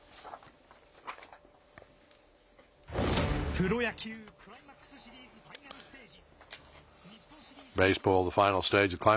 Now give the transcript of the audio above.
プロ野球・クライマックスシリーズファイナルステージ。